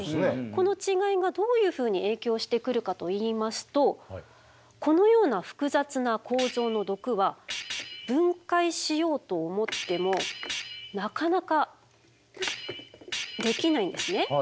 この違いがどういうふうに影響してくるかといいますとこのような複雑な構造の毒は分解しようと思ってもなかなかできないんですね。